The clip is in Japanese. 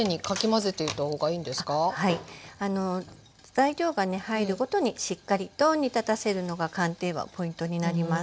材料がね入るごとにしっかりと煮立たせるのが寒天はポイントになります。